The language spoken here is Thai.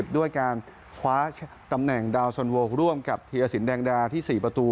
ด้วยการคว้าตำแหน่งดาวสันโวร่วมกับธีรสินแดงดาที่๔ประตู